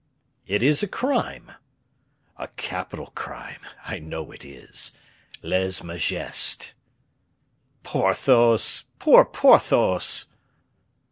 "It is a crime." "A capital crime; I know it is. Lese majeste." "Porthos! poor Porthos!"